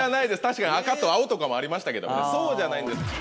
確かに赤と青もありましたけどそうじゃない。